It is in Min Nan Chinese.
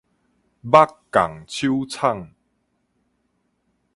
目降鬚聳